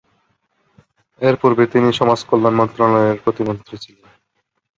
এরপূর্বে তিনি সমাজকল্যাণ মন্ত্রণালয়ের প্রতিমন্ত্রী ছিলেন।